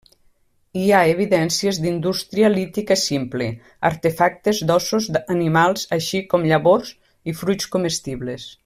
Hi ha evidències d'indústria lítica simple, artefactes d'ossos d'animals així com llavors i fruits comestibles.